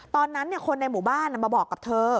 ตอนนั้นคนในหมู่บ้านมาบอกกับเธอ